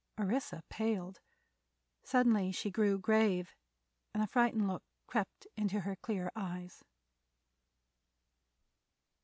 Orissa paled; suddenly she grew grave and a frightened look crept into her clear eyes.